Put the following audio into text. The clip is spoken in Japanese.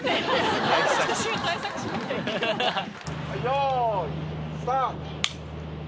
・よいスタート！